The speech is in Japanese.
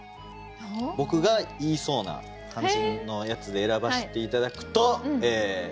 僕が言いそうな感じのやつで選ばして頂くと。